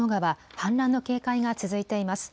氾濫の警戒が続いています。